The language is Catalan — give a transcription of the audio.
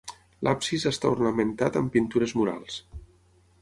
L'absis està ornamentat amb pintures murals.